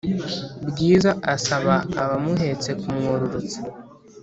bwiza asaba abamuhetse kumwururutsa